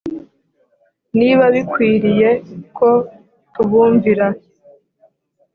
niba bikwiriye ko tubumvira